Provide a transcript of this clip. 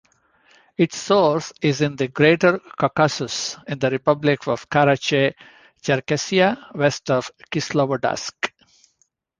Its source is in the Greater Caucasus, in the republic Karachay-Cherkessia, west of Kislovodsk.